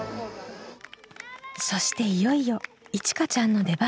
そしていよいよいちかちゃんの出番。